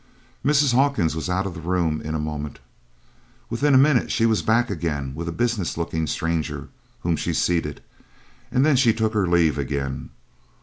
Mrs. Hawkins was out of the room in a moment. Within a minute she was back again with a business looking stranger, whom she seated, and then she took her leave again.